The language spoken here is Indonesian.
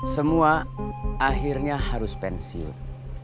semua akhirnya harus pensiun